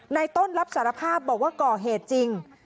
ต้นรับสารภาพบอกว่าก่อเหตุจริง